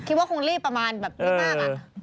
คิดว่าคงรีบประมาณแบบนี้มาก